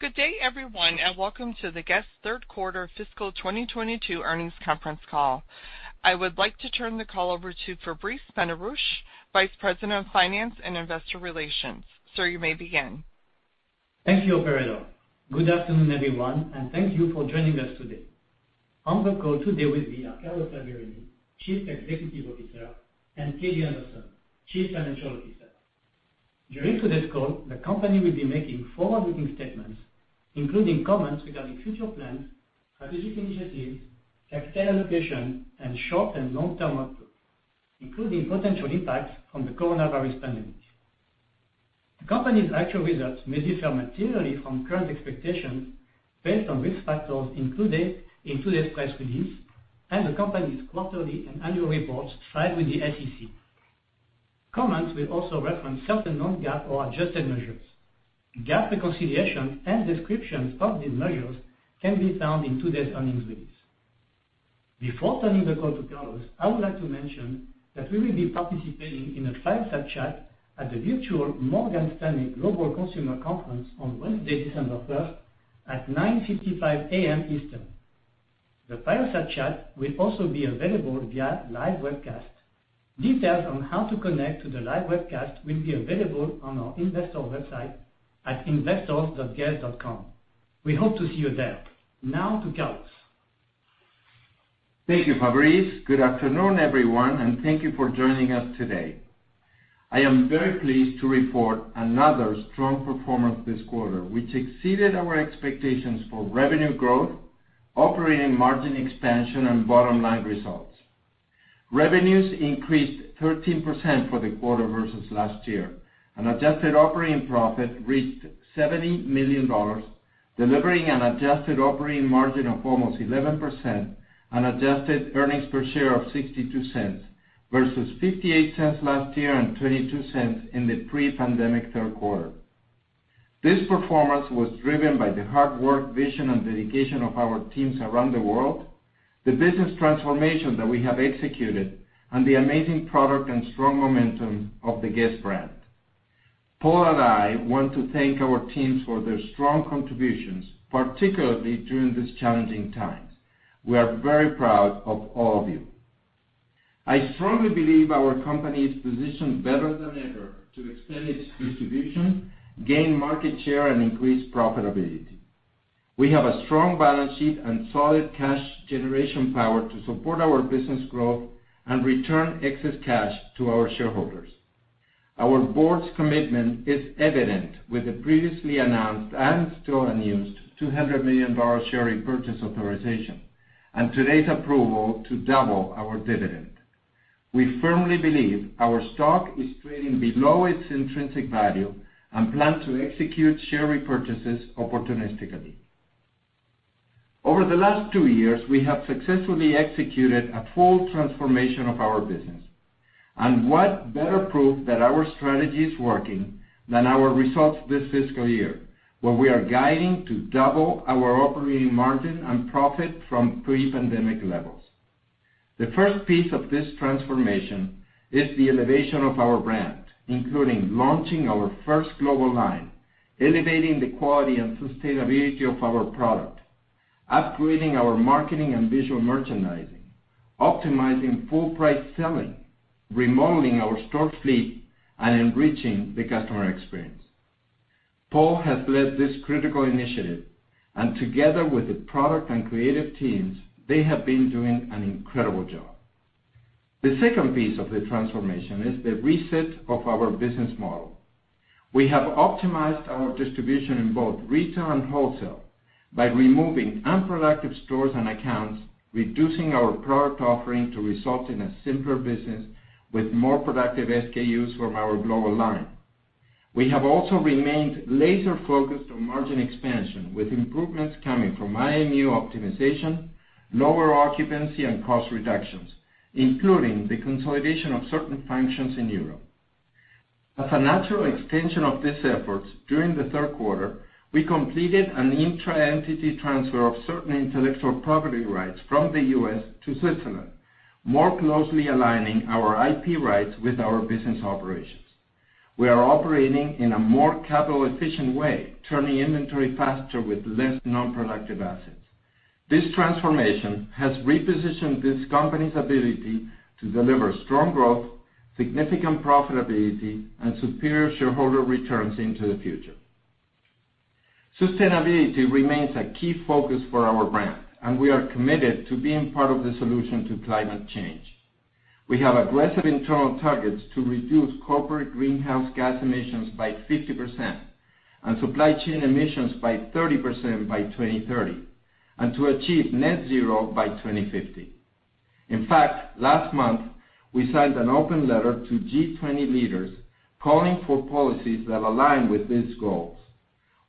Good day, everyone, and welcome to the Guess? third quarter fiscal 2022 earnings conference call. I would like to turn the call over to Fabrice Benarouche, Vice President of Finance and Investor Relations. Sir, you may begin. Thank you, operator. Good afternoon, everyone, and thank you for joining us today. On the call today with me are Carlos Alberini, Chief Executive Officer, and Katie Anderson, Chief Financial Officer. During today's call, the company will be making forward-looking statements, including comments regarding future plans, strategic initiatives, capital allocation, and short and long-term outlook, including potential impacts from the coronavirus pandemic. The company's actual results may differ materially from current expectations based on risk factors included in today's press release and the company's quarterly and annual reports filed with the SEC. Comments will also reference certain non-GAAP or adjusted measures. GAAP reconciliation and descriptions of these measures can be found in today's earnings release. Before turning the call to Carlos, I would like to mention that we will be participating in a fireside chat at the virtual Morgan Stanley Global Consumer Conference on Wednesday, December first at 9:55 A.M. Eastern. The fireside chat will also be available via live webcast. Details on how to connect to the live webcast will be available on our investor website at investors.guess.com. We hope to see you there. Now to Carlos. Thank you, Fabrice. Good afternoon, everyone, and thank you for joining us today. I am very pleased to report another strong performance this quarter, which exceeded our expectations for revenue growth, operating margin expansion, and bottom-line results. Revenues increased 13% for the quarter versus last year. Adjusted operating profit reached $70 million, delivering an adjusted operating margin of almost 11% and adjusted earnings per share of $0.62 versus $0.58 last year and $0.22 in the pre-pandemic third quarter. This performance was driven by the hard work, vision, and dedication of our teams around the world, the business transformation that we have executed, and the amazing product and strong momentum of the Guess brand. Paul and I want to thank our teams for their strong contributions, particularly during these challenging times. We are very proud of all of you. I strongly believe our company is positioned better than ever to expand its distribution, gain market share, and increase profitability. We have a strong balance sheet and solid cash generation power to support our business growth and return excess cash to our shareholders. Our board's commitment is evident with the previously announced and still unused $200 million share repurchase authorization and today's approval to double our dividend. We firmly believe our stock is trading below its intrinsic value and plan to execute share repurchases opportunistically. Over the last two years, we have successfully executed a full transformation of our business. What better proof that our strategy is working than our results this fiscal year, where we are guiding to double our operating margin and profit from pre-pandemic levels. The first piece of this transformation is the elevation of our brand, including launching our first global line, elevating the quality and sustainability of our product, upgrading our marketing and visual merchandising, optimizing full price selling, remodeling our store fleet, and enriching the customer experience. Paul has led this critical initiative, and together with the product and creative teams, they have been doing an incredible job. The second piece of the transformation is the reset of our business model. We have optimized our distribution in both retail and wholesale by removing unproductive stores and accounts, reducing our product offering to result in a simpler business with more productive SKUs from our global line. We have also remained laser-focused on margin expansion with improvements coming from IMU optimization, lower occupancy, and cost reductions, including the consolidation of certain functions in Europe. As a natural extension of these efforts, during the third quarter, we completed an intra-entity transfer of certain intellectual property rights from the U.S. to Switzerland, more closely aligning our IP rights with our business operations. We are operating in a more capital-efficient way, turning inventory faster with less non-productive assets. This transformation has repositioned this company's ability to deliver strong growth, significant profitability, and superior shareholder returns into the future. Sustainability remains a key focus for our brand, and we are committed to being part of the solution to climate change. We have aggressive internal targets to reduce corporate greenhouse gas emissions by 50% and supply chain emissions by 30% by 2030, and to achieve net zero by 2050. In fact, last month, we signed an open letter to G20 leaders calling for policies that align with these goals.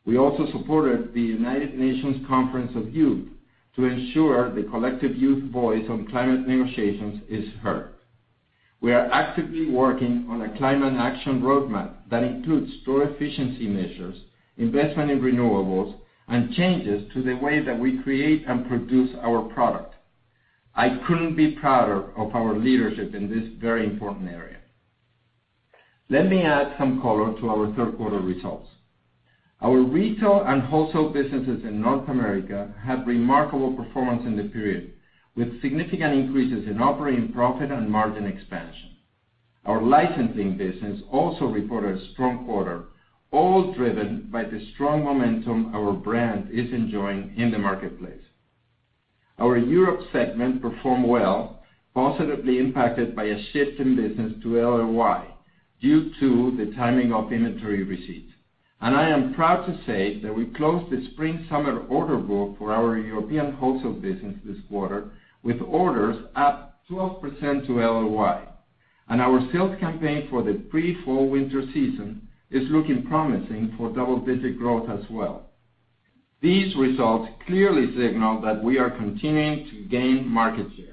We also supported the United Nations Conference of Youth to ensure the collective youth voice on climate negotiations is heard. We are actively working on a climate action roadmap that includes store efficiency measures, investment in renewables, and changes to the way that we create and produce our product. I couldn't be prouder of our leadership in this very important area. Let me add some color to our third quarter results. Our retail and wholesale businesses in North America had remarkable performance in the period, with significant increases in operating profit and margin expansion. Our licensing business also reported a strong quarter, all driven by the strong momentum our brand is enjoying in the marketplace. Our Europe segment performed well, positively impacted by a shift in business to LOY due to the timing of inventory receipts. I am proud to say that we closed the spring/summer order book for our European Wholesale business this quarter with orders up 12% to LOY. Our sales campaign for the pre-fall/winter season is looking promising for double-digit growth as well. These results clearly signal that we are continuing to gain market share.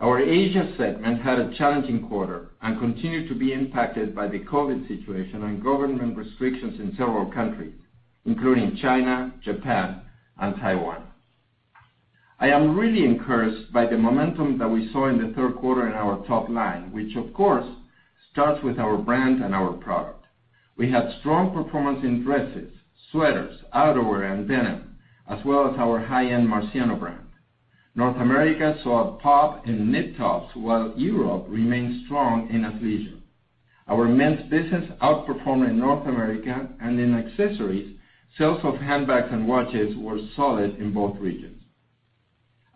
Our Asia segment had a challenging quarter and continued to be impacted by the COVID-19 situation and government restrictions in several countries, including China, Japan, and Taiwan. I am really encouraged by the momentum that we saw in the third quarter in our top line, which of course, starts with our brand and our product. We had strong performance in dresses, sweaters, outerwear, and denim, as well as our high-end Marciano brand. North America saw a pop in knit tops while Europe remained strong in athleisure. Our men's business outperformed in North America and in accessories. Sales of handbags and watches were solid in both regions.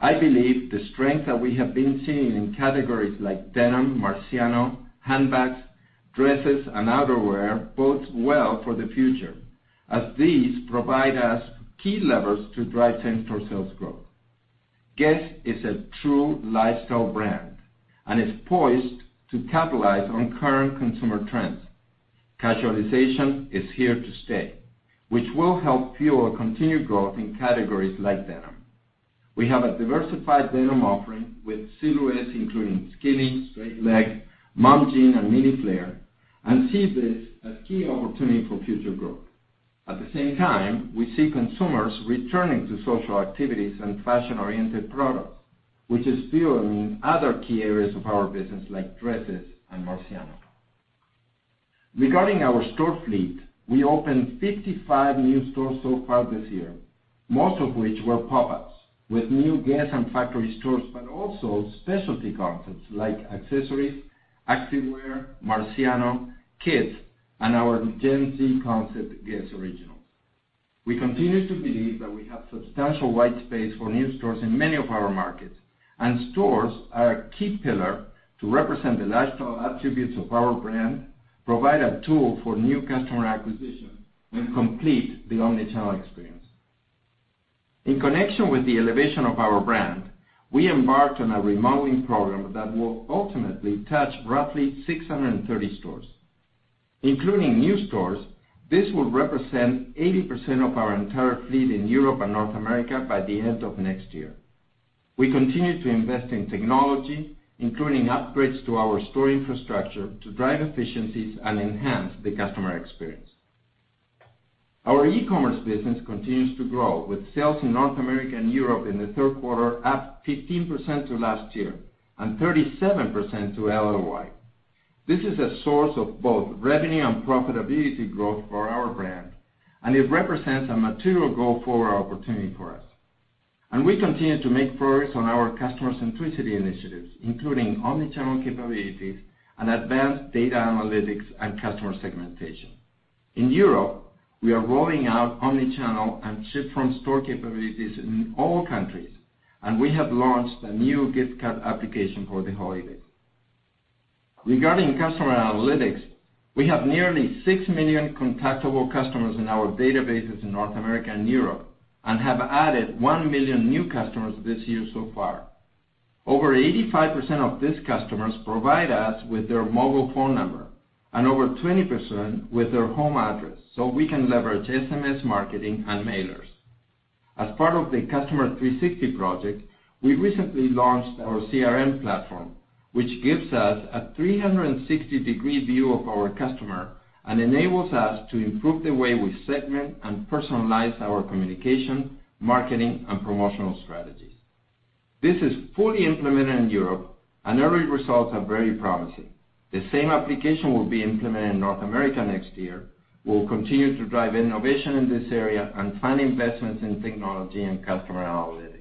I believe the strength that we have been seeing in categories like denim, Marciano, handbags, dresses, and outerwear bodes well for the future, as these provide us key levers to drive same-store sales growth. Guess is a true lifestyle brand, and is poised to capitalize on current consumer trends. Casualization is here to stay, which will help fuel continued growth in categories like denim. We have a diversified denim offering with silhouettes including skinny, straight leg, mom jean, and mini flare, and see this as key opportunity for future growth. At the same time, we see consumers returning to social activities and fashion-oriented products, which is fueling other key areas of our business like dresses and Marciano. Regarding our store fleet, we opened 55 new stores so far this year, most of which were pop-ups with new Guess and Factory stores, but also specialty concepts like accessories, activewear, Marciano, kids, and our Gen Z concept, Guess Originals. We continue to believe that we have substantial white space for new stores in many of our markets, and stores are a key pillar to represent the lifestyle attributes of our brand, provide a tool for new customer acquisition, and complete the omnichannel experience. In connection with the elevation of our brand, we embarked on a remodeling program that will ultimately touch roughly 630 stores. Including new stores, this will represent 80% of our entire fleet in Europe and North America by the end of next year. We continue to invest in technology, including upgrades to our store infrastructure, to drive efficiencies and enhance the customer experience. Our e-commerce business continues to grow with sales in North America and Europe in the third quarter up 15% to last year and 37% to LOY. This is a source of both revenue and profitability growth for our brand, and it represents a material go forward opportunity for us. We continue to make progress on our customer centricity initiatives, including omnichannel capabilities and advanced data analytics and customer segmentation. In Europe, we are rolling out omnichannel and ship from store capabilities in all countries, and we have launched a new gift card application for the holidays. Regarding customer analytics, we have nearly 6 million contactable customers in our databases in North America and Europe, and have added 1 million new customers this year so far. Over 85% of these customers provide us with their mobile phone number and over 20% with their home address, so we can leverage SMS marketing and mailers. As part of the Customer 360 project, we recently launched our CRM platform, which gives us a 360-degree view of our customer and enables us to improve the way we segment and personalize our communication, marketing, and promotional strategies. This is fully implemented in Europe and early results are very promising. The same application will be implemented in North America next year. We'll continue to drive innovation in this area and plan investments in technology and customer analytics.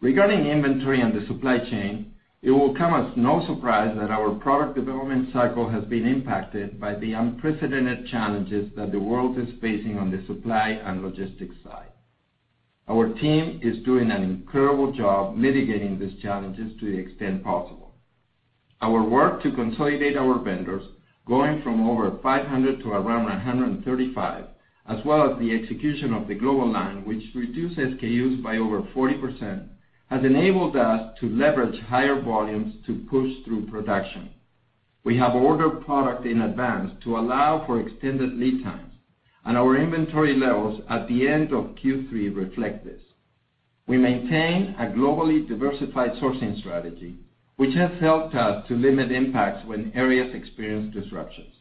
Regarding inventory and the supply chain, it will come as no surprise that our product development cycle has been impacted by the unprecedented challenges that the world is facing on the supply and logistics side. Our team is doing an incredible job mitigating these challenges to the extent possible. Our work to consolidate our vendors, going from over 500 to around 135, as well as the execution of the global line, which reduces SKUs by over 40%, has enabled us to leverage higher volumes to push through production. We have ordered product in advance to allow for extended lead times, and our inventory levels at the end of Q3 reflect this. We maintain a globally diversified sourcing strategy, which has helped us to limit impacts when areas experience disruptions.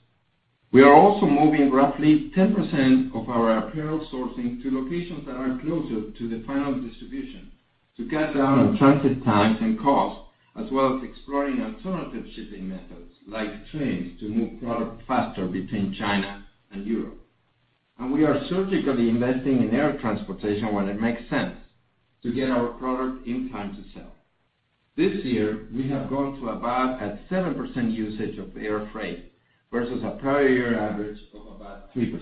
We are also moving roughly 10% of our apparel sourcing to locations that are closer to the final distribution to cut down on transit times and costs, as well as exploring alternative shipping methods like trains to move product faster between China and Europe. We are surgically investing in air transportation when it makes sense to get our product in time to sell. This year, we have gone to about 7% usage of air freight, versus a prior year average of about 3%.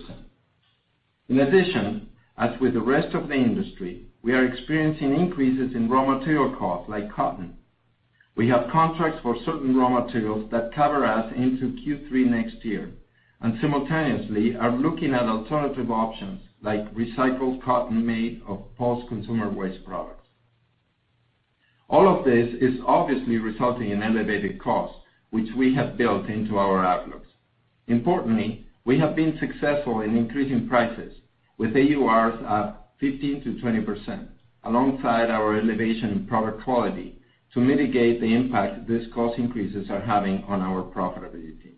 In addition, as with the rest of the industry, we are experiencing increases in raw material costs like cotton. We have contracts for certain raw materials that cover us into Q3 next year, and simultaneously are looking at alternative options like recycled cotton made of post-consumer waste products. All of this is obviously resulting in elevated costs, which we have built into our outlooks. Importantly, we have been successful in increasing prices with AURs at 15%-20%, alongside our elevation in product quality to mitigate the impact these cost increases are having on our profitability.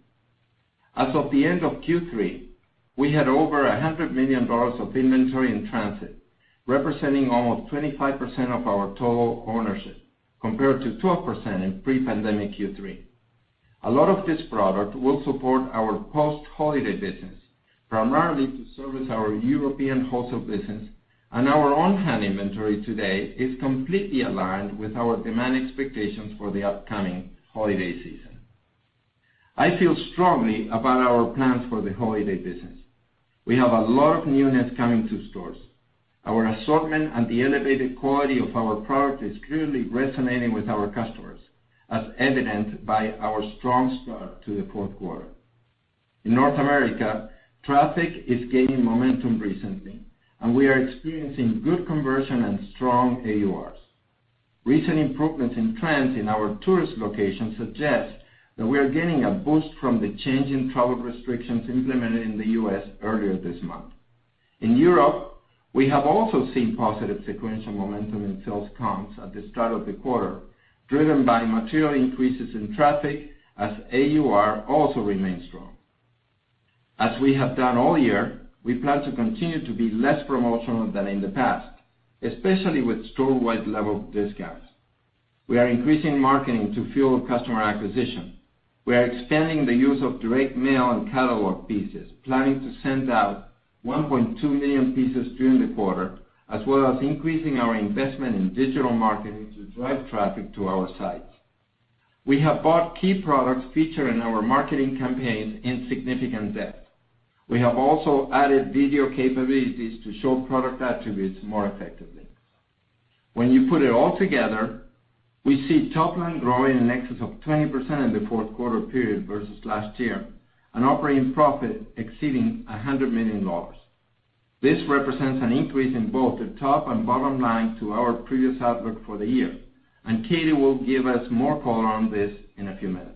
As of the end of Q3, we had over $100 million of inventory in transit, representing almost 25% of our total ownership, compared to 12% in pre-pandemic Q3. A lot of this product will support our post-holiday business, primarily to service our European Wholesale business, and our on-hand inventory today is completely aligned with our demand expectations for the upcoming holiday season. I feel strongly about our plans for the holiday business. We have a lot of newness coming to stores. Our assortment and the elevated quality of our product is clearly resonating with our customers, as evident by our strong start to the fourth quarter. In North America, traffic is gaining momentum recently, and we are experiencing good conversion and strong AURs. Recent improvements in trends in our tourist locations suggest that we are gaining a boost from the change in travel restrictions implemented in the U.S. earlier this month. In Europe, we have also seen positive sequential momentum in sales comps at the start of the quarter, driven by material increases in traffic as AUR also remains strong. As we have done all year, we plan to continue to be less promotional than in the past, especially with store-wide level discounts. We are increasing marketing to fuel customer acquisition. We are expanding the use of direct mail and catalog pieces, planning to send out 1.2 million pieces during the quarter, as well as increasing our investment in digital marketing to drive traffic to our sites. We have bought key products featured in our marketing campaigns in significant depth. We have also added video capabilities to show product attributes more effectively. When you put it all together, we see top line growing in excess of 20% in the fourth quarter period versus last year, and operating profit exceeding $100 million. This represents an increase in both the top and bottom line to our previous outlook for the year, and Katie will give us more color on this in a few minutes.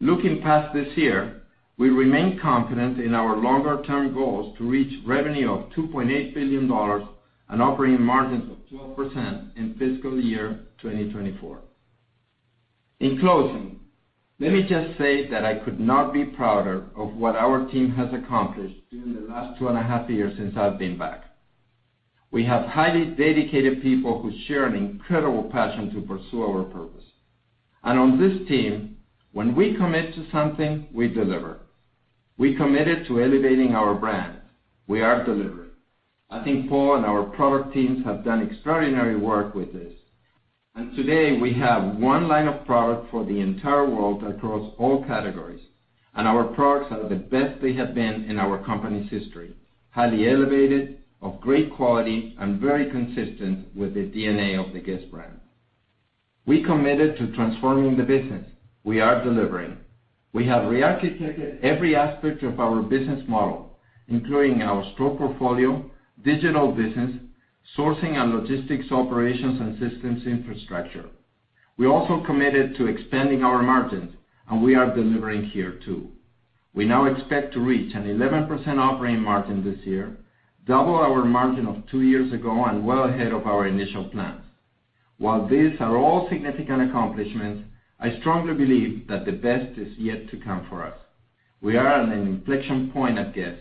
Looking past this year, we remain confident in our longer term goals to reach revenue of $2.8 billion and operating margins of 12% in fiscal year 2024. In closing, let me just say that I could not be prouder of what our team has accomplished during the last 2.5 years since I've been back. We have highly dedicated people who share an incredible passion to pursue our purpose. On this team, when we commit to something, we deliver. We committed to elevating our brand. We are delivering. I think Paul and our product teams have done extraordinary work with this. Today, we have one line of product for the entire world across all categories, and our products are the best they have been in our company's history, highly elevated, of great quality, and very consistent with the DNA of the Guess brand. We committed to transforming the business. We are delivering. We have rearchitected every aspect of our business model, including our store portfolio, digital business, sourcing and logistics operations and systems infrastructure. We also committed to expanding our margins, and we are delivering here too. We now expect to reach an 11% operating margin this year, double our margin of two years ago and well ahead of our initial plans. While these are all significant accomplishments, I strongly believe that the best is yet to come for us. We are at an inflection point at Guess,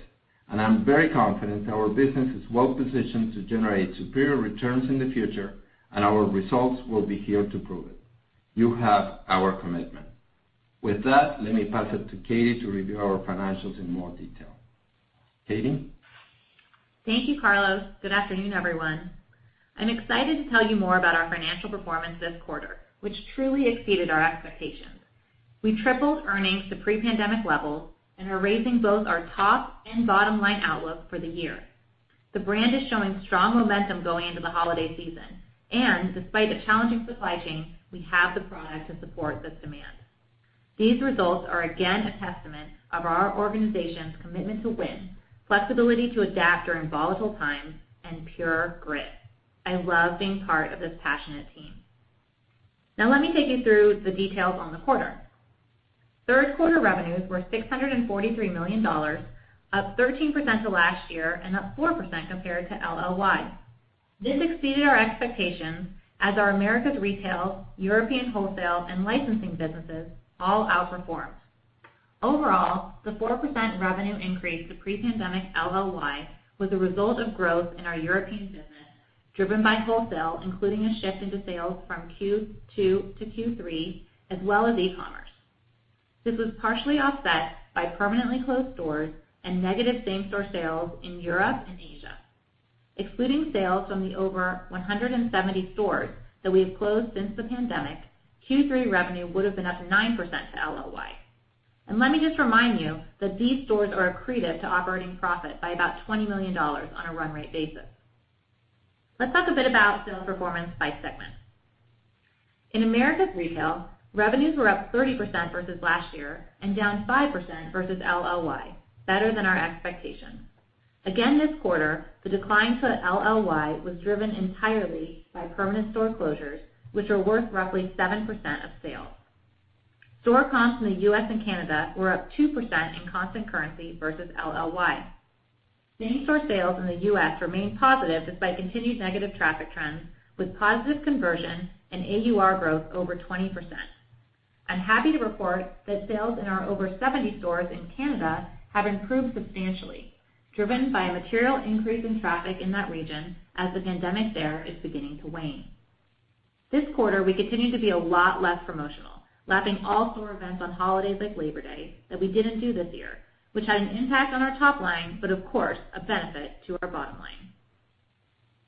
and I'm very confident our business is well positioned to generate superior returns in the future, and our results will be here to prove it. You have our commitment. With that, let me pass it to Katie to review our financials in more detail. Katie? Thank you, Carlos. Good afternoon, everyone. I'm excited to tell you more about our financial performance this quarter, which truly exceeded our expectations. We tripled earnings to pre-pandemic levels and are raising both our top and bottom line outlook for the year. The brand is showing strong momentum going into the holiday season. Despite a challenging supply chain, we have the product to support this demand. These results are again a testament of our organization's commitment to win, flexibility to adapt during volatile times, and pure grit. I love being part of this passionate team. Now let me take you through the details on the quarter. Third quarter revenues were $643 million, up 13% to last year and up 4% compared to LOY. This exceeded our expectations as our Americas Retail, European Wholesale, and licensing businesses all outperformed. Overall, the 4% revenue increase to pre-pandemic LOY was a result of growth in our European business, driven by wholesale, including a shift into sales from Q2 to Q3, as well as e-commerce. This was partially offset by permanently closed stores and negative same-store sales in Europe and Asia. Excluding sales from the over 170 stores that we have closed since the pandemic, Q3 revenue would have been up 9% to LOY. Let me just remind you that these stores are accretive to operating profit by about $20 million on a run rate basis. Let's talk a bit about sales performance by segment. In Americas Retail, revenues were up 30% versus last year and down 5% versus LOY, better than our expectations. Again this quarter, the decline to LOY was driven entirely by permanent store closures, which are worth roughly 7% of sales. Store comps in the U.S. and Canada were up 2% in constant currency versus LOY. Same-store sales in the U.S. remained positive despite continued negative traffic trends, with positive conversion and AUR growth over 20%. I'm happy to report that sales in our over 70 stores in Canada have improved substantially, driven by a material increase in traffic in that region as the pandemic there is beginning to wane. This quarter, we continued to be a lot less promotional, lapping all store events on holidays like Labor Day that we didn't do this year, which had an impact on our top line, but of course, a benefit to our bottom line.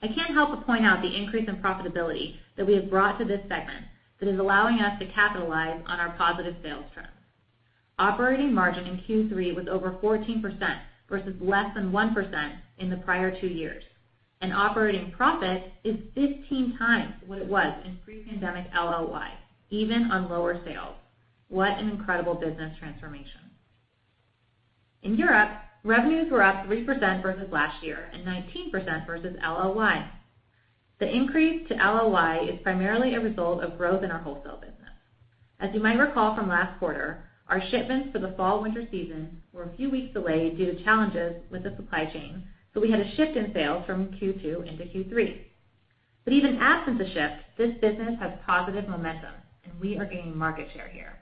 I can't help but point out the increase in profitability that we have brought to this segment that is allowing us to capitalize on our positive sales trends. Operating margin in Q3 was over 14% versus less than 1% in the prior two years. Operating profit is 15x what it was in pre-pandemic LOY, even on lower sales. What an incredible business transformation. In Europe, revenues were up 3% versus last year and 19% versus LOY. The increase to LOY is primarily a result of growth in our wholesale business. As you might recall from last quarter, our shipments for the fall/winter season were a few weeks delayed due to challenges with the supply chain, so we had a shift in sales from Q2 into Q3. Even absent the shift, this business has positive momentum, and we are gaining market share here.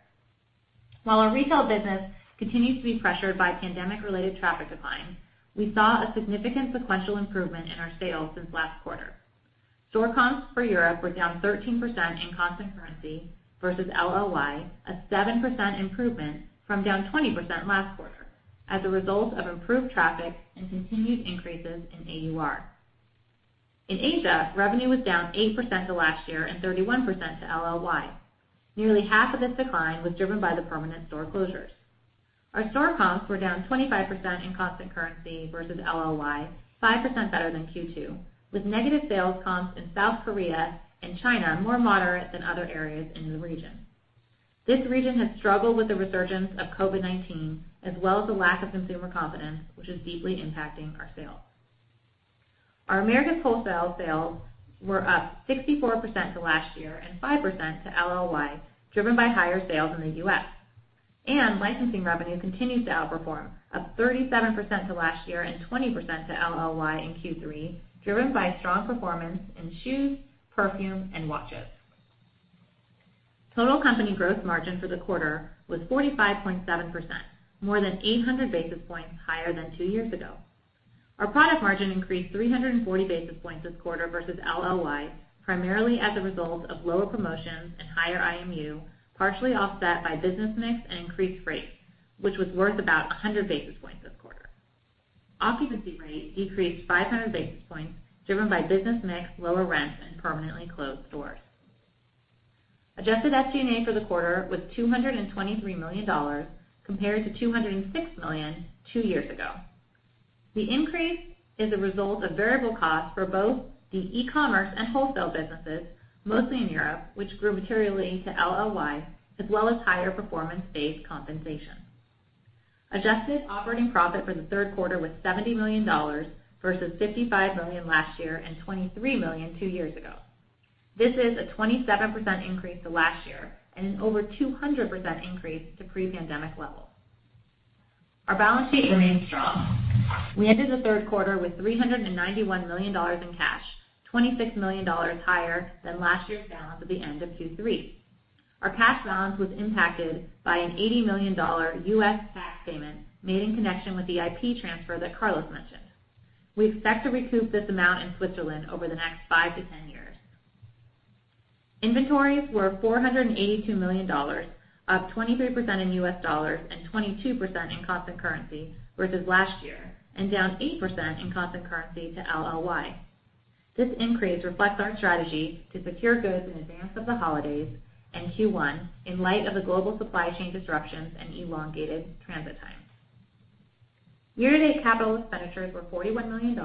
While our retail business continues to be pressured by pandemic-related traffic declines, we saw a significant sequential improvement in our sales since last quarter. Store comps for Europe were down 13% in constant currency versus LOY, a 7% improvement from down 20% last quarter as a result of improved traffic and continued increases in AUR. In Asia, revenue was down 8% to last year and 31% to LOY. Nearly half of this decline was driven by the permanent store closures. Our store comps were down 25% in constant currency versus LOY, 5% better than Q2, with negative sales comps in South Korea and China more moderate than other areas in the region. This region has struggled with the resurgence of COVID-19, as well as a lack of consumer confidence, which is deeply impacting our sales. Our Americas Wholesale sales were up 64% to last year and 5% to LOY, driven by higher sales in the U.S. Licensing revenue continues to outperform, up 37% to last year and 20% to LOY in Q3, driven by strong performance in shoes, perfume, and watches. Total company gross margin for the quarter was 45.7%, more than 800 basis points higher than two years ago. Our product margin increased 340 basis points this quarter versus LOY, primarily as a result of lower promotions and higher IMU, partially offset by business mix and increased rates, which was worth about 100 basis points this quarter. Occupancy rate decreased 500 basis points, driven by business mix, lower rents, and permanently closed stores. Adjusted SG&A for the quarter was $223 million compared to $206 million two years ago. The increase is a result of variable costs for both the e-commerce and wholesale businesses, mostly in Europe, which grew materially to LOY, as well as higher performance-based compensation. Adjusted operating profit for the third quarter was $70 million versus $55 million last year and $23 million two years ago. This is a 27% increase to last year and an over 200% increase to pre-pandemic levels. Our balance sheet remains strong. We ended the third quarter with $391 million in cash, $26 million higher than last year's balance at the end of Q3. Our cash balance was impacted by an $80 million U.S. tax payment made in connection with the IP transfer that Carlos mentioned. We expect to recoup this amount in Switzerland over the next 5-10 years. Inventories were $482 million, up 23% in U.S. dollars and 22% in constant currency versus last year and down 8% in constant currency to LOY. This increase reflects our strategy to secure goods in advance of the holidays and Q1 in light of the global supply chain disruptions and elongated transit times. Year-to-date capital expenditures were $41 million,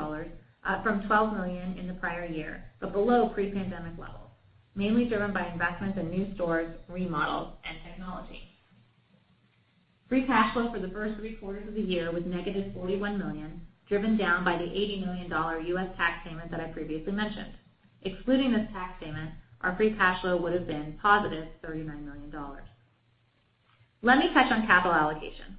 up from $12 million in the prior year, but below pre-pandemic levels, mainly driven by investments in new stores, remodels, and technology. Free cash flow for the first three quarters of the year was negative $41 million, driven down by the $80 million U.S. tax payment that I previously mentioned. Excluding this tax payment, our free cash flow would have been positive $39 million. Let me touch on capital allocation.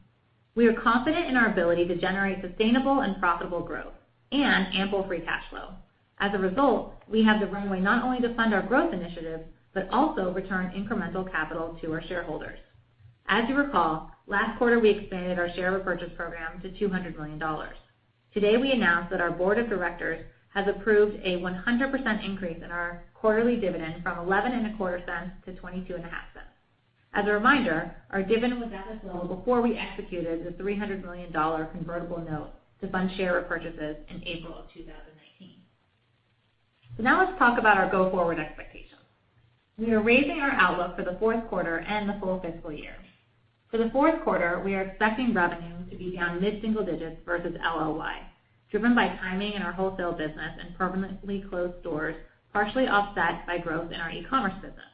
We are confident in our ability to generate sustainable and profitable growth and ample free cash flow. As a result, we have the runway not only to fund our growth initiatives, but also return incremental capital to our shareholders. As you recall, last quarter, we expanded our share repurchase program to $200 million. Today, we announced that our board of directors has approved a 100% increase in our quarterly dividend from 11.25 cents-22.5 cents. As a reminder, our dividend was at this level before we executed the $300 million-dollar convertible note to fund share repurchases in April of 2019. Now let's talk about our go-forward expectations. We are raising our outlook for the fourth quarter and the full fiscal year. For the fourth quarter, we are expecting revenue to be down mid-single digits versus LOY, driven by timing in our wholesale business and permanently closed doors, partially offset by growth in our e-commerce business.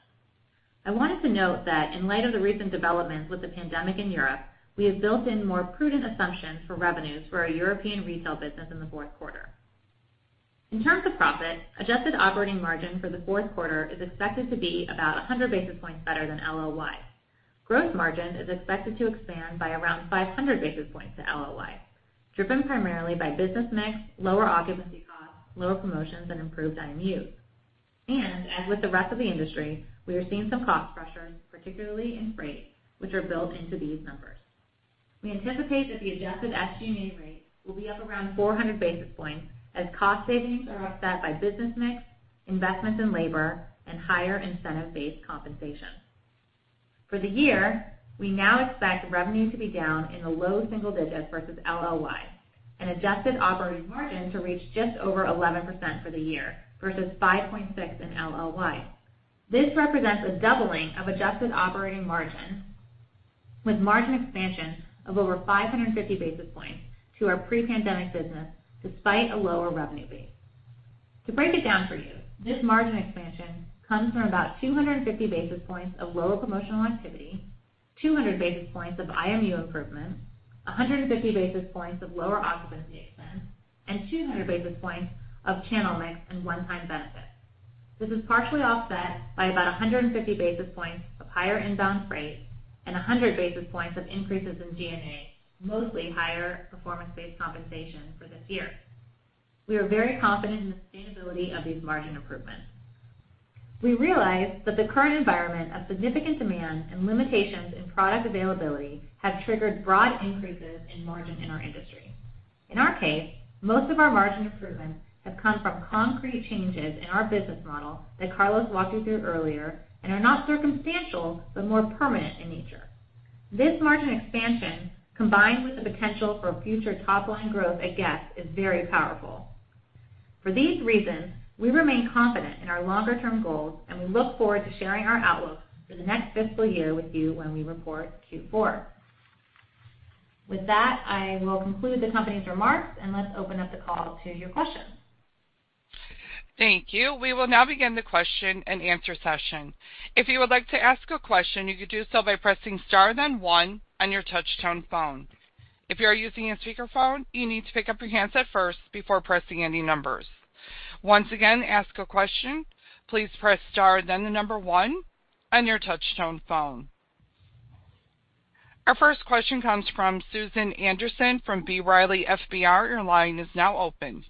I wanted to note that in light of the recent developments with the pandemic in Europe, we have built in more prudent assumptions for revenues for our European retail business in the fourth quarter. In terms of profit, adjusted operating margin for the fourth quarter is expected to be about 100 basis points better than LOY. Gross margin is expected to expand by around 500 basis points than LOY, driven primarily by business mix, lower occupancy costs, lower promotions, and improved IMU. As with the rest of the industry, we are seeing some cost pressures, particularly in freight, which are built into these numbers. We anticipate that the adjusted SG&A rate will be up around 400 basis points as cost savings are offset by business mix, investments in labor, and higher incentive-based compensation. For the year, we now expect revenue to be down in the low single digits versus LOY and adjusted operating margin to reach just over 11% for the year versus 5.6 in LOY. This represents a doubling of adjusted operating margin with margin expansion of over 550 basis points to our pre-pandemic business despite a lower revenue base. To break it down for you, this margin expansion comes from about 250 basis points of lower promotional activity, 200 basis points of IMU improvements, 150 basis points of lower occupancy expense, and 200 basis points of channel mix and one-time benefits. This is partially offset by about 150 basis points of higher inbound freight and 100 basis points of increases in G&A, mostly higher performance-based compensation for this year. We are very confident in the sustainability of these margin improvements. We realize that the current environment of significant demand and limitations in product availability have triggered broad increases in margin in our industry. In our case, most of our margin improvements have come from concrete changes in our business model that Carlos walked you through earlier and are not circumstantial, but more permanent in nature. This margin expansion, combined with the potential for future top-line growth at Guess, is very powerful. For these reasons, we remain confident in our longer-term goals, and we look forward to sharing our outlook for the next fiscal year with you when we report Q4. With that, I will conclude the company's remarks, and let's open up the call to your questions. Thank you. We will now begin the question and answer session. If you would like to ask a question, you could do so by pressing star then one on your touch-tone phone. If you are using a speakerphone, you need to pick up your handset first before pressing any numbers. Once again, ask a question, please press star then the number one on your touch-tone phone. Our first question comes from Susan Anderson from B. Riley FBR. Your line is now open.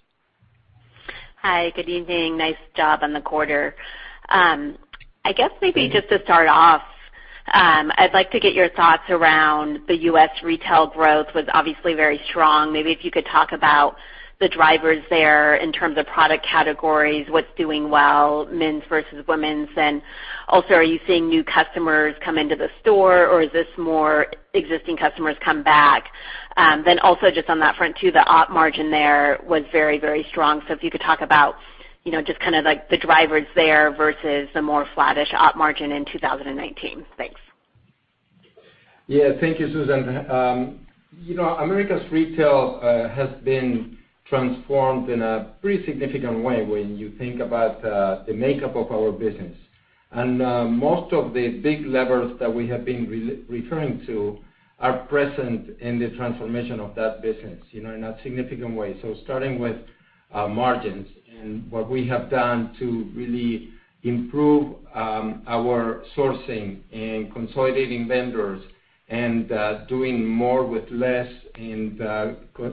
Hi. Good evening. Nice job on the quarter. I guess maybe just to start off, I'd like to get your thoughts around the U.S. retail growth was obviously very strong. Maybe if you could talk about the drivers there in terms of product categories, what's doing well, men's versus women's. Also, are you seeing new customers come into the store, or is this more existing customers come back? Then also just on that front too, the op margin there was very, very strong. If you could talk about, you know, just kind of like the drivers there versus the more flattish op margin in 2019. Thanks. Yeah. Thank you, Susan. You know, Americas Retail has been transformed in a pretty significant way when you think about the makeup of our business. Most of the big levers that we have been referring to are present in the transformation of that business, you know, in a significant way. Starting with margins and what we have done to really improve our sourcing and consolidating vendors and doing more with less and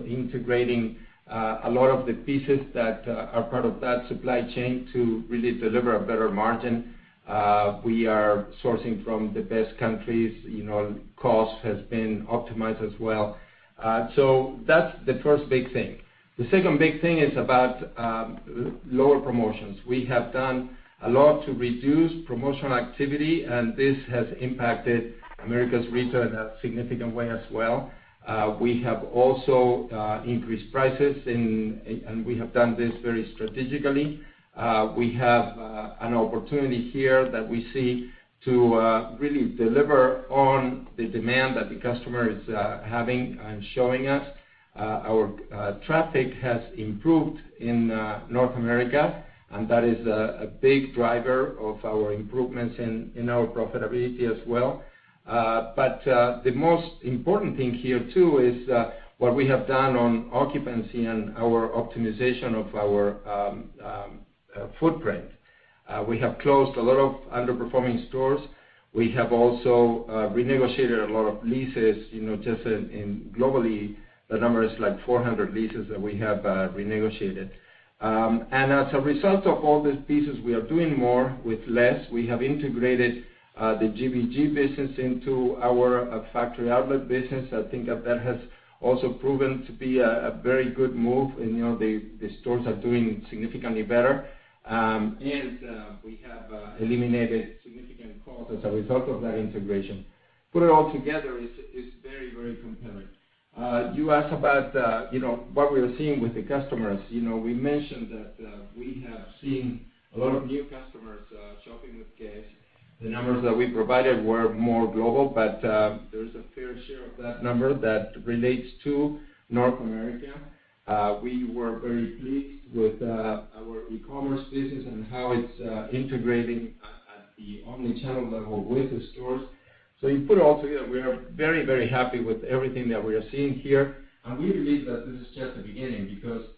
integrating a lot of the pieces that are part of that supply chain to really deliver a better margin. We are sourcing from the best countries. You know, cost has been optimized as well. That's the first big thing. The second big thing is about lower promotions. We have done a lot to reduce promotional activity, and this has impacted Americas Retail in a significant way as well. We have also increased prices, and we have done this very strategically. We have an opportunity here that we see to really deliver on the demand that the customer is having and showing us. Our traffic has improved in North America, and that is a big driver of our improvements in our profitability as well. The most important thing here too is what we have done on occupancy and our optimization of our footprint. We have closed a lot of underperforming stores. We have also renegotiated a lot of leases. You know, Globally, the number is like 400 leases that we have renegotiated. As a result of all these pieces, we are doing more with less. We have integrated the GBG business into our factory outlet business. I think that has also proven to be a very good move, and you know, the stores are doing significantly better. We have eliminated significant costs as a result of that integration. Put it all together, it's very compelling. You asked about you know, what we are seeing with the customers. You know, we mentioned that we have seen a lot of new customers shopping with Guess. The numbers that we provided were more global, but there's a fair share of that number that relates to North America. We were very pleased with our e-commerce business and how it's integrating at the omni channel level with the stores. You put it all together, we are very, very happy with everything that we are seeing here. We believe that this is just the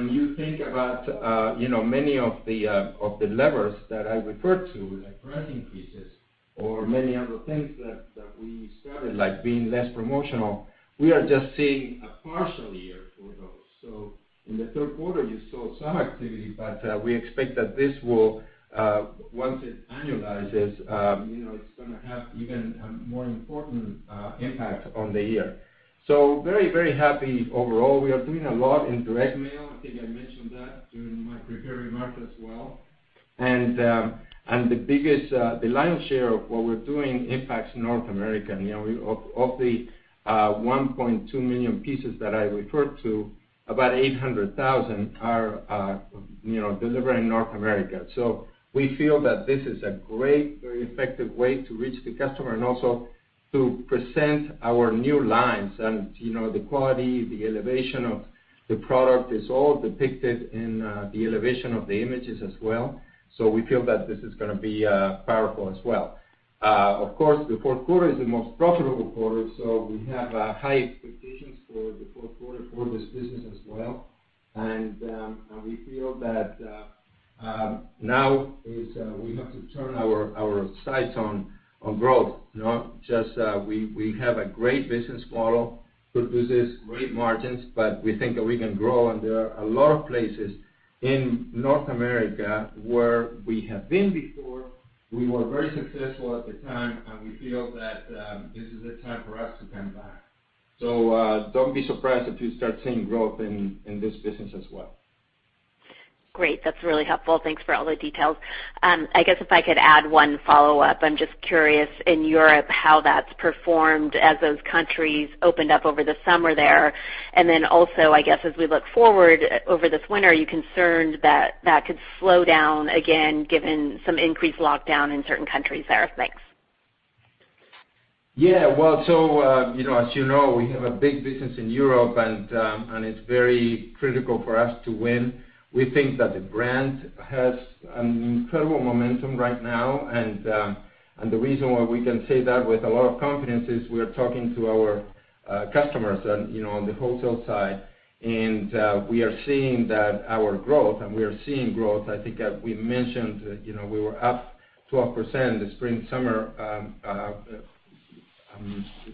beginning because when you think about, you know, many of the levers that I referred to, like price increases or many other things that we started, like being less promotional, we are just seeing a partial year for those. In the third quarter, you saw some activity, but we expect that this will once it annualizes, you know, it's gonna have even a more important impact on the year. Very, very happy overall. We are doing a lot in direct mail. I think I mentioned that during my prepared remarks as well. The biggest, the lion's share of what we're doing impacts North America. You know, of the 1.2 million pieces that I referred to, about 800,000 are, you know, delivered in North America. We feel that this is a great, very effective way to reach the customer and also to present our new lines. You know, the quality, the elevation of the product is all depicted in the elevation of the images as well. We feel that this is gonna be powerful as well. Of course, the fourth quarter is the most profitable quarter, so we have high expectations for the fourth quarter for this business as well. We feel that we have to turn our sights on growth. You know, just we have a great business model, produces great margins, but we think that we can grow. There are a lot of places in North America where we have been before, we were very successful at the time, and we feel that this is the time for us to come back. Don't be surprised if you start seeing growth in this business as well. Great. That's really helpful. Thanks for all the details. I guess if I could add one follow-up. I'm just curious, in Europe, how that's performed as those countries opened up over the summer there. Also, I guess, as we look forward over this winter, are you concerned that that could slow down again, given some increased lockdown in certain countries there? Thanks. Yeah. Well, you know, as you know, we have a big business in Europe, and it's very critical for us to win. We think that the brand has an incredible momentum right now. The reason why we can say that with a lot of confidence is we're talking to our customers and, you know, on the wholesale side. We are seeing growth. I think as we mentioned, you know, we were up 12% the spring-summer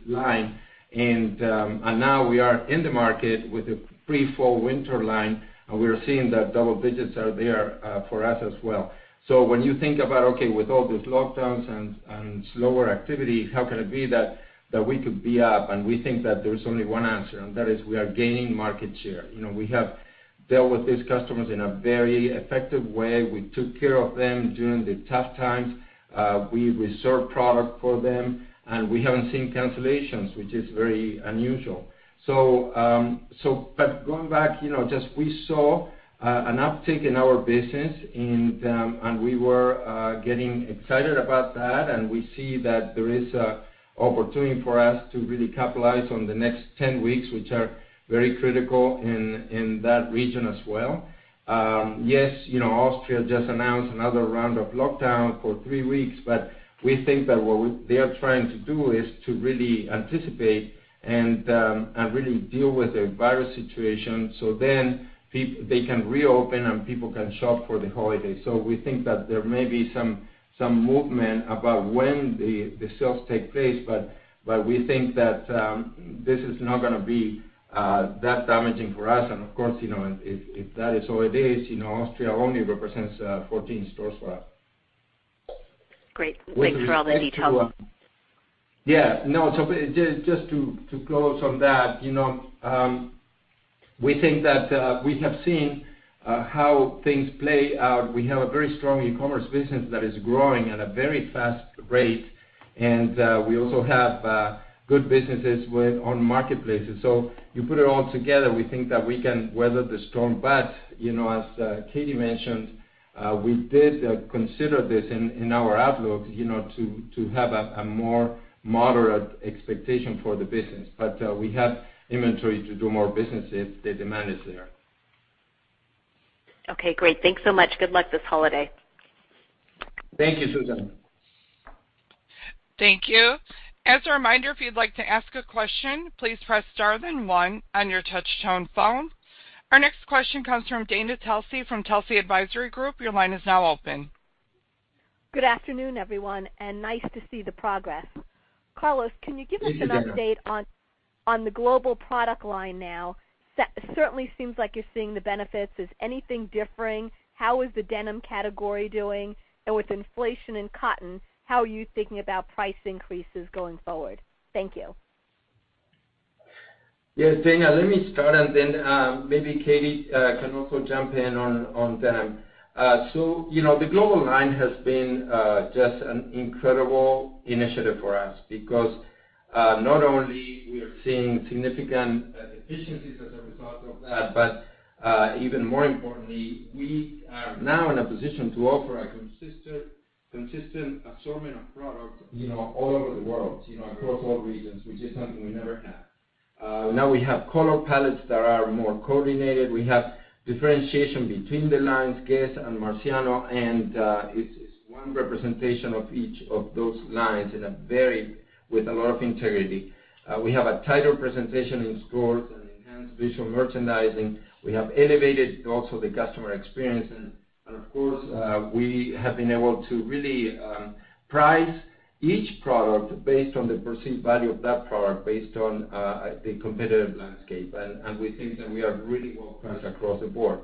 line. Now we are in the market with the pre-fall winter line, and we're seeing that double digits are there for us as well. When you think about, okay, with all these lockdowns and slower activity, how can it be that we could be up? We think that there is only one answer, and that is we are gaining market share. You know, we have dealt with these customers in a very effective way. We took care of them during the tough times. We reserved product for them, and we haven't seen cancellations, which is very unusual. Going back, you know, just we saw an uptick in our business and we were getting excited about that, and we see that there is a opportunity for us to really capitalize on the next 10 weeks, which are very critical in that region as well. Yes, you know, Austria just announced another round of lockdown for three weeks, but we think that they are trying to do is to really anticipate and really deal with the virus situation. They can reopen, and people can shop for the holiday. We think that there may be some movement about when the sales take place, but we think that this is not gonna be that damaging for us. Of course, you know, if that is all it is, you know, Austria only represents 14 stores for us. Great. Thank you for all the details. With respect to just to close on that, you know, we think that we have seen how things play out. We have a very strong e-commerce business that is growing at a very fast rate, and we also have good businesses on marketplaces. You put it all together, we think that we can weather the storm. As Katie mentioned, we did consider this in our outlook, you know, to have a more moderate expectation for the business. We have inventory to do more business if the demand is there. Okay, great. Thanks so much. Good luck this holiday. Thank you, Susan. Thank you. As a reminder, if you'd like to ask a question, please press star then one on your touch tone phone. Our next question comes from Dana Telsey from Telsey Advisory Group. Your line is now open. Good afternoon, everyone, and nice to see the progress. Carlos, can you give us an update on the global product line now? That certainly seems like you're seeing the benefits. Is anything differing? How is the denim category doing? With inflation in cotton, how are you thinking about price increases going forward? Thank you. Yes, Dana, let me start, and then maybe Katie can also jump in on them. You know, the global line has been just an incredible initiative for us because not only are we seeing significant efficiencies as a result of that, but even more importantly, we are now in a position to offer a consistent assortment of product, you know, all over the world, you know, across all regions, which is something we never had. Now we have color palettes that are more coordinated. We have differentiation between the lines, Guess and Marciano, and it's one representation of each of those lines with a lot of integrity. We have a tighter presentation in stores and enhanced visual merchandising. We have elevated also the customer experience and of course we have been able to really price each product based on the perceived value of that product based on the competitive landscape. We think that we are really well-priced across the board.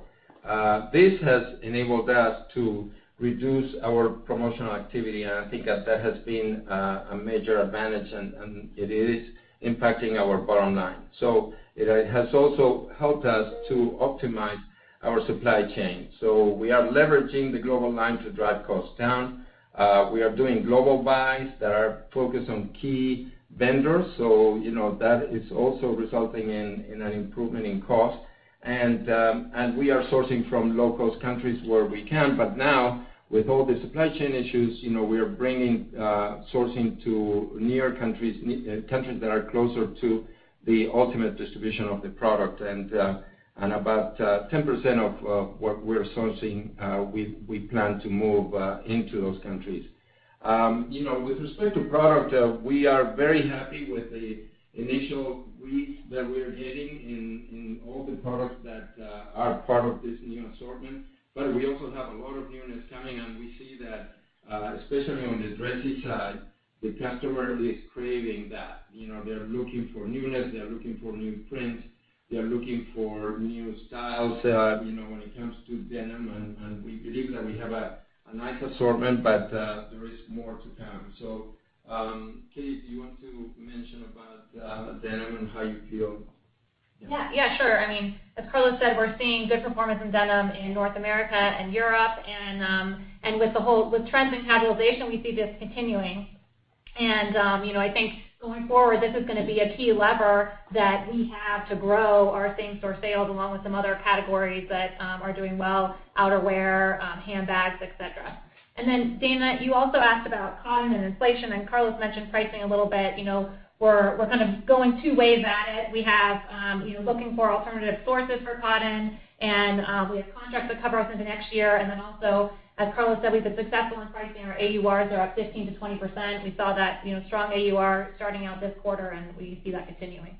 This has enabled us to reduce our promotional activity, and I think that has been a major advantage, and it is impacting our bottom line. It has also helped us to optimize our supply chain. We are leveraging the global line to drive costs down. We are doing global buys that are focused on key vendors, so you know, that is also resulting in an improvement in cost. We are sourcing from low-cost countries where we can. Now with all the supply chain issues, you know, we are bringing sourcing to near countries that are closer to the ultimate distribution of the product. About 10% of what we're sourcing, we plan to move into those countries. You know, with respect to product, we are very happy with the initial reads that we're getting in all the products that are part of this new assortment. We also have a lot of newness coming, and we see that, especially on the dressy side, the customer is craving that. You know, they're looking for newness. They're looking for new prints. They're looking for new styles, you know, when it comes to denim, and we believe that we have a nice assortment, but there is more to come. Katie, do you want to mention about denim and how you feel? Yeah. Yeah, sure. I mean, as Carlos said, we're seeing good performance in denim in North America and Europe and with trends and cannibalization, we see this continuing. You know, I think going forward, this is gonna be a key lever that we have to grow our same-store sales, along with some other categories that are doing well, outerwear, handbags, et cetera. Dana, you also asked about cotton and inflation, and Carlos mentioned pricing a little bit. You know, we're kind of going two ways at it. We have you know looking for alternative sources for cotton, and we have contracts that cover us into next year. As Carlos said, we've been successful in pricing. Our AURs are up 15%-20%. We saw that, you know, strong AUR starting out this quarter, and we see that continuing.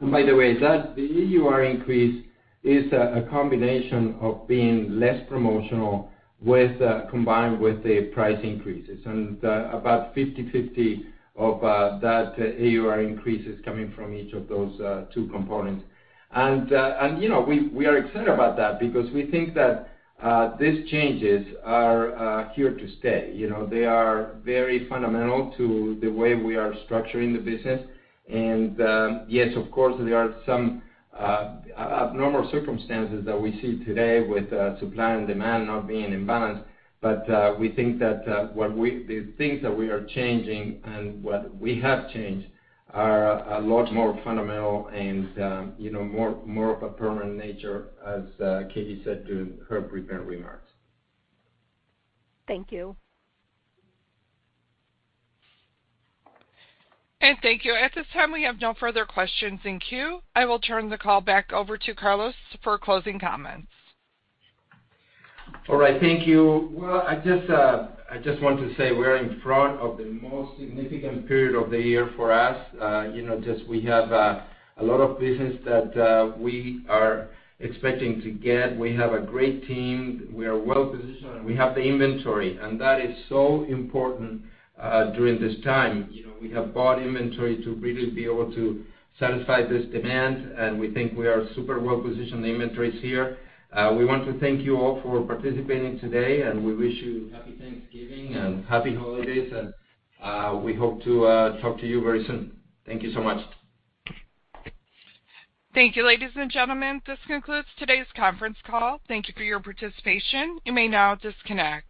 By the way, the AUR increase is a combination of being less promotional with combined with the price increases, and about 50/50 of that AUR increase is coming from each of those two components. You know, we are excited about that because we think that these changes are here to stay. You know, they are very fundamental to the way we are structuring the business. Yes, of course, there are some abnormal circumstances that we see today with supply and demand not being in balance. We think that the things that we are changing and what we have changed are a lot more fundamental and you know, more of a permanent nature as Katie said during her prepared remarks. Thank you. Thank you. At this time, we have no further questions in queue. I will turn the call back over to Carlos for closing comments. All right. Thank you. Well, I just want to say we are in front of the most significant period of the year for us. You know, just we have a lot of business that we are expecting to get. We have a great team. We are well-positioned, and we have the inventory, and that is so important during this time. You know, we have bought inventory to really be able to satisfy this demand, and we think we are super well-positioned. The inventory is here. We want to thank you all for participating today, and we wish you happy Thanksgiving and happy holidays, and we hope to talk to you very soon. Thank you so much. Thank you, ladies and gentlemen. This concludes today's conference call. Thank you for your participation. You may now disconnect.